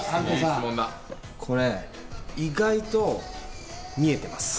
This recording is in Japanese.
これ意外と見えてます。